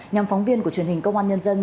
nhằm phóng viên của truyền hình công an nhân dân